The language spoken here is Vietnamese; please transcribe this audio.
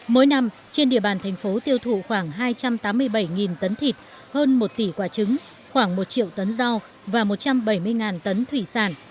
mỗi năm trên địa bàn thành phố tiêu thụ khoảng hai trăm tám mươi bảy tấn thịt hơn một tỷ quả trứng khoảng một triệu tấn rau và một trăm bảy mươi tấn thủy sản